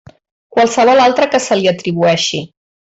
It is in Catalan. Qualsevol altra que se li atribueixi.